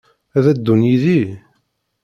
Ad d-ddun yid-i?